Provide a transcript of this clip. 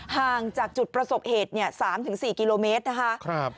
ห่างจากจุดประสบเหตุ๓๔กิโลเมตรนะคะ